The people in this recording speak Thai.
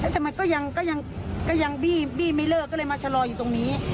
แต่มันก็ยังบี้ไม่เลิกก็เลยมาชะลออยู่ตรงนี้